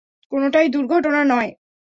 কোনটাই দূর্ঘটনা নয়!